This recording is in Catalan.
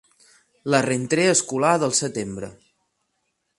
La 'rentrée' escolar del setembre.